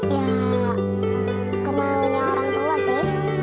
ya kemaunya orang tua sih